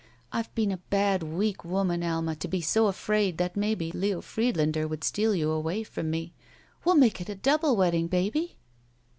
I've been a bad, weak woman. Alma, to be so afraid that maybe Leo Friedlander would steal you away from me. We'll make it a double wedding, baby!"